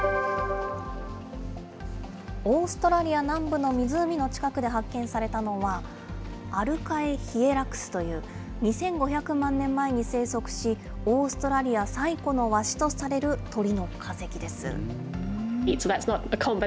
オーストラリア南部の湖の近くで発見されたのは、アルカエヒエラクスという２５００万年前に生息し、オーストラリア最古のワシとされる鳥の化石です。